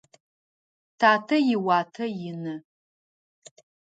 Татэ иуатэ ины.